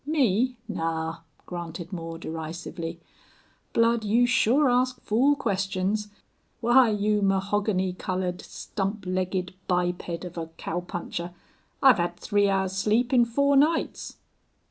"Me? Naw!" grunted Moore, derisively. "Blud, you sure ask fool questions.... Why, you mahogany colored, stump legged, biped of a cowpuncher, I've had three hours' sleep in four nights!"